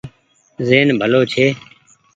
زهين ڀلو ڇي۔